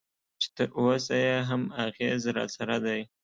چې تراوسه یې هم اغېز راسره دی.